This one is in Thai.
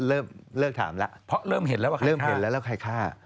เหมือนกันแบบเมื่อสัปดาห์ที่ที่แล้วเริ่มธาม